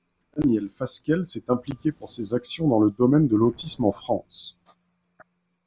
Daniel Fasquelle s'est impliqué pour ses actions dans le domaine de l'autisme en France.